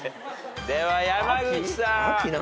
では山口さん。